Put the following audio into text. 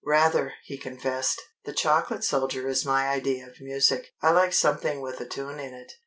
"Rather," he confessed. "The Chocolate Soldier is my idea of music. I like something with a tune in it.